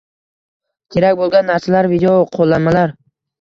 Kerak bo‘lgan narsalar – videoqo‘llanmalar